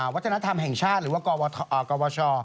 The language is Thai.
วัฒนธรรมแห่งชาติหรือว่ากวช